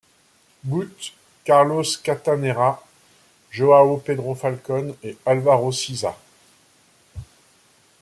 Bout, Carlos Castanheira, João Pedro Falcon et Alvaro Siza.